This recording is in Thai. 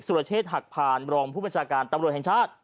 รเชษฐหักผ่านรองผู้บัญชาการตำรวจแห่งชาติ